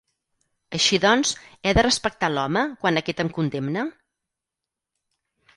Així doncs, he de respectar l'home quan aquest em condemna?